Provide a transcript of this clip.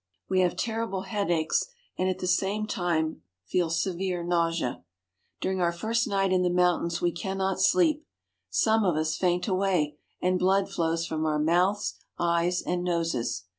We have terrible headaches, and at the same time feel severe nausea. During our first night in the mountains we cannot sleep. Some of us faint away, and blood flows from our mouths, eyes, and noses.